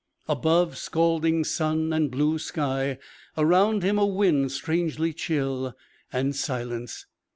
Above, scalding sun and blue sky. Around him a wind, strangely chill. And silence.